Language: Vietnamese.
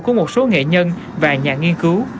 của một số nghệ nhân và nhà nghiên cứu